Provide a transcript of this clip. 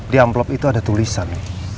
di amplop itu ada tulisan